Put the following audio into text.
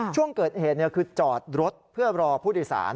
ช่วงเกิดเหตุคือจอดรถเพื่อรอผู้โดยสาร